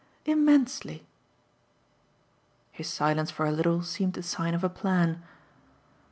"Immensely." His silence for a little seemed the sign of a plan.